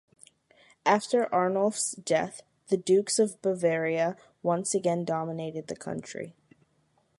After Arnulf's death, the Dukes of Bavaria once again dominated the country.